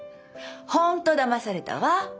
本当だまされたわ。